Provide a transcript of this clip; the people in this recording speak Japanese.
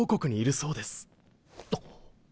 あっ！